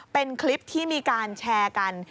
เป็นคลิปที่มีการแชร์กัน